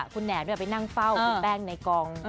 คุณแหนมไปนั่งเฝ้าคุณแป้งในกอง